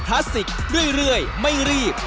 ลาสสิกเรื่อยไม่รีบ